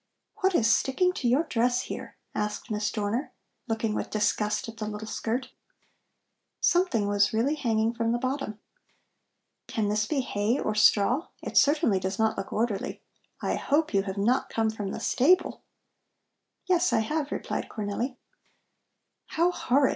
"What is sticking to your dress here?" asked Miss Dorner, looking with disgust at the little skirt. Something was really hanging from the bottom. "Can this be hay or straw? It certainly does not look orderly. I hope you have not come from the stable!" "Yes, I have," replied Cornelli. "How horrid!